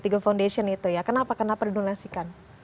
tiga foundation itu ya kenapa kenapa didonasikan